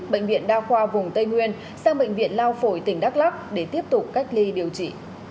bệnh viện đa khoa vùng tây nguyên sang bệnh viện lao phổi tỉnh đắk lắc để tiếp tục cách ly điều trị